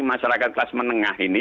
masyarakat kelas menengah ini